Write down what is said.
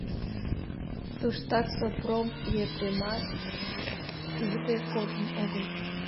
Туштак Сопром Епремат лийде кодын огыл.